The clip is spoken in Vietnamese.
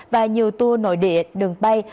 và nhiều tour nội địa đường bay